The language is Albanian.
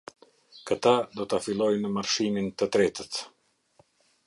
Këta do ta fillojnë marshimin të tretët.